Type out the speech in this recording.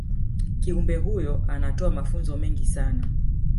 kiumbe huyo anatoa mafunzo mengi sana